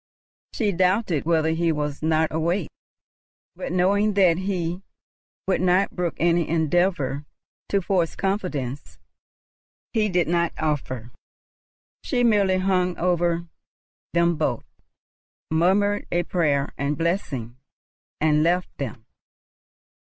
She doubted whether he were not awake; but, knowing that he would not brook any endeavour to force confidence he did not offer, she merely hung over them both, murmured a prayer and blessing, and left them.